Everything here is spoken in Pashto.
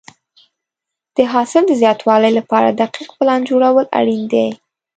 د حاصل د زیاتوالي لپاره دقیق پلان جوړول اړین دي.